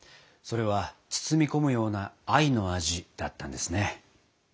それは包み込むような愛の味だったんですね。